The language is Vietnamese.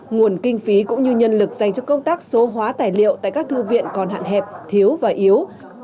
nguồn kinh phí cũng như nhân lực dành cho công tác số hóa tài liệu tại các thư viện còn hạn hẹp thiếu và yếu